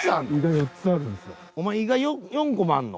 お前胃が４個もあるの？